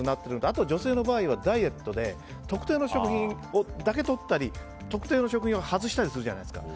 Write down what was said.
あとは女性の場合はダイエットで特定の食品だけ取ったり特定の食品を外したりするじゃないですか。